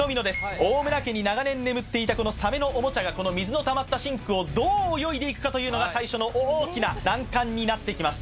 大村家に長年眠っていたこのサメのおもちゃがこの水のたまったシンクをどう泳いでいくかというのが最初の大きな難関になっていきます